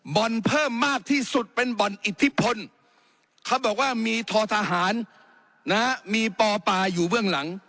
เพิ่มมากที่สุดเป็นบ่อนอิทธิพลเขาบอกว่ามีทอทหารนะมีปอปาอยู่เบื้องหลัง